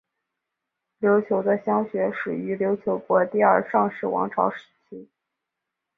琉球的乡学始于琉球国第二尚氏王朝时期。